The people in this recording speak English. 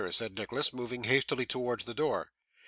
said Nicholas, moving hastily towards the door.